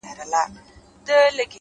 نه ـ نه داسي نه ده ـ